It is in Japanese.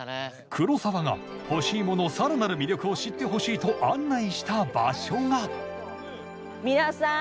黒沢が干し芋の更なる魅力を知ってほしいと案内した場所が皆さん